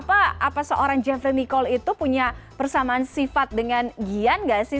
apa seorang jeffrey nicole itu punya persamaan sifat dengan gian nggak sih